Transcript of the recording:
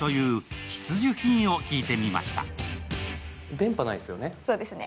電波ないですよね。